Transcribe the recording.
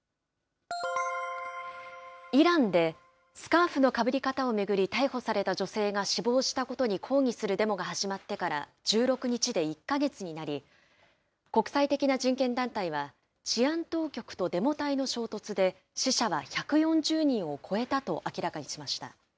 イランでスカーフのかぶり方を巡り、逮捕された女性が死亡したことに抗議するデモが始まってから１６日で１か月になり、国際的な人権団体は、治安当局とデモ隊の衝突で、死者は１４０人を超えたと明らかにしました。